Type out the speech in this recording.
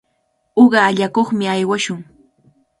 Uqa allakuqmi aywashun.